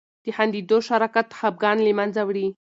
د خندیدو شراکت خفګان له منځه وړي.